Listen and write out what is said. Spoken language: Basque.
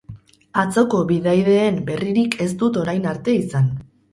Atzoko bidaideen berririk ez dut orain arte izan.